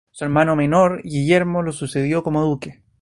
Su hermano menor, Guillermo lo sucedió como duque.